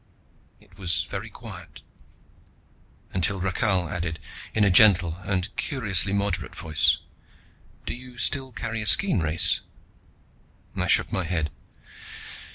It was very quiet, until Rakhal added, in a gentle and curiously moderate voice, "Do you still carry a skean, Race?" I shook my head.